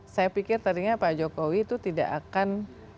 saya pikir tadinya pak jokowi itu tidak akan